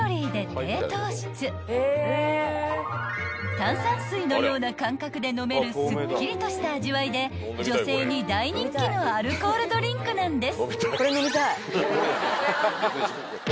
［炭酸水のような感覚で飲めるすっきりとした味わいで女性に大人気のアルコールドリンクなんです］